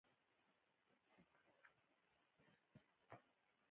بامیان د افغانستان د تکنالوژۍ له نوي پرمختګ سره تړاو لري.